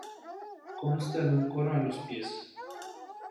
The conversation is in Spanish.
Consta de un coro a los pies..